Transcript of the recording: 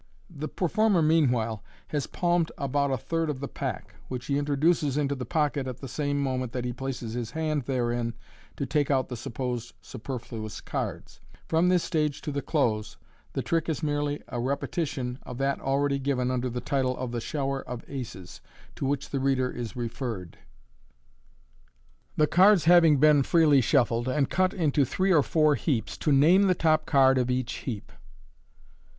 The performer meanwhile has palmed about a third of the pack, which he introduces into the pocket at the same moment iiat he places his hand therein to take out the supposed superfhi is cards. From this stage to the close the trick is merely a repetitior of that already given under the title of tbo " Shower of Aces " {see page 97), to which the reader is referred. io8 MODERN MA GZC Thb Cards having been freely shuffled, and cut into ♦hreb or four heaps, to name the top card of each heap.